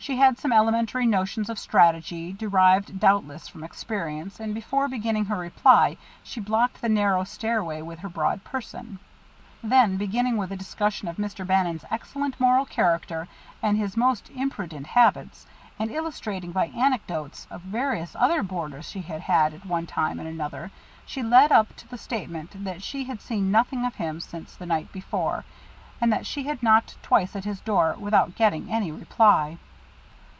She had some elementary notions of strategy, derived, doubtless, from experience, and before beginning her reply, she blocked the narrow stairway with her broad person. Then, beginning with a discussion of Mr. Bannon's excellent moral character and his most imprudent habits, and illustrating by anecdotes of various other boarders she had had at one time and another, she led up to the statement that she had seen nothing of him since the night before, and that she had twice knocked at his door without getting any reply.